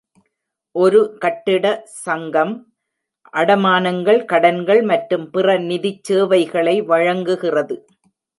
ஒரு கட்டிட சங்கம் அடைமானங்கள், கடன்கள் மற்றும் பிற நிதிச் சேவைகளை வழங்குகிறது